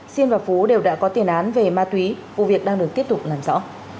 sinh và phú đều đã có tiền án về ma túy vụ việc đang được tiếp tục làm rõ